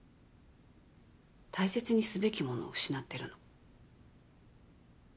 大切にすべきものを失ってるの。